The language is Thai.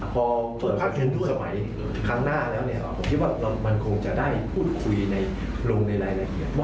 พอถึงสมัยครั้งหน้าแล้วคิดว่ามันคงจะได้พูดคุยลงในรายละเอียด